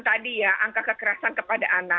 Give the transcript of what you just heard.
tadi ya angka kekerasan kepada anak